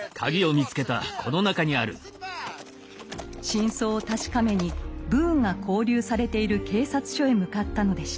真相を確かめにブーンが拘留されている警察署へ向かったのでした。